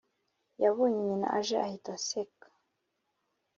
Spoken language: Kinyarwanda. yabonye nyina aje ahita aseka